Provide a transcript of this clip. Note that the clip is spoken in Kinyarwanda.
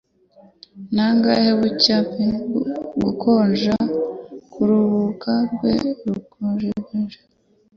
Nangahe bucya pe gukonja kuruhuka rwe rujegajega